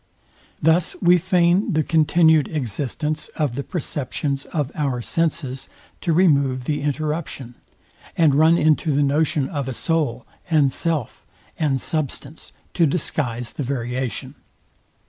Thus we feign the continued existence of the perceptions of our senses, to remove the interruption: and run into the notion of a soul, and self, and substance, to disguise the variation.